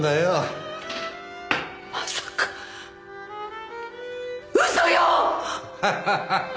まさか嘘よ！